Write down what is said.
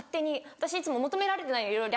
私いつも求められてないのにいろいろ。